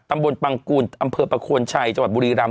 ตำบลปังกูลอำเภอประโคนชัยจังหวัดบุรีรำ